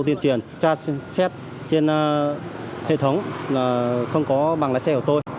trang sét trên hệ thống là không có bằng lái xe của tôi